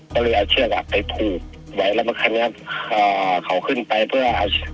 ก็เลยเอาเชือกอ่ะไปผูกไว้แล้วก็คันนี้อ่าเขาขึ้นไปเพื่อ